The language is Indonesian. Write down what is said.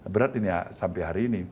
berat ini sampai hari ini